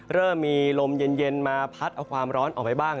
เริ่มมีลมเย็นมาพัดเอาความร้อนออกไปบ้าง